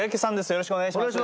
よろしくお願いします。